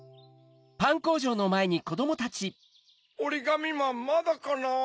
おりがみまんまだかな？